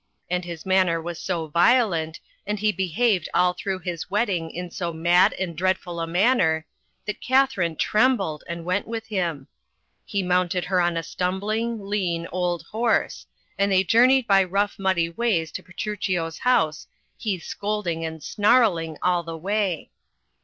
And his manner was so violent, and he behaved all through his wedding in so mad and dreadful a manner, chat Katharine trem bled and went with him. He mounted her on a stumbling, lean, old horse, and they journeyed by rough muddy ways to Petruchio's house, he scolding and snarling all the way.